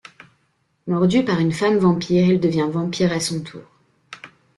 Mordu par une femme-vampire, il devient vampire à son tour.